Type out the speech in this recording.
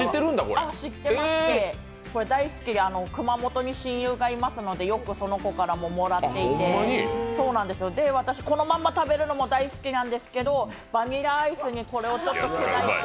知ってまして、これ大好きで熊本に親友がいますのでよくその子からももらっていて私このまま食べるのも大好きなんですけど、バニラアイスにこれをちょっと砕いて、